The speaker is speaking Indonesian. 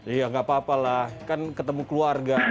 iya nggak apa apa lah kan ketemu keluarga